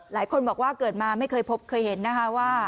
หลายคนบอกว่าเกิดมาไม่เคยพบเคยเห็นนะคะว่า